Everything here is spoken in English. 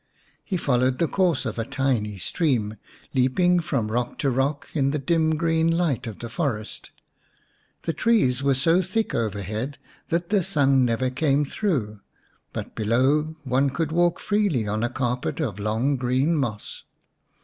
He followed the course of a tiny stream, leaping from rock to rock in the dim green light of the forest. The trees were so thick overhead that the sun never came through, but below one could walk freely on a carpet of long green moss.